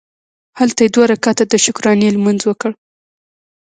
هلته یې دوه رکعته د شکرانې لمونځ وکړ.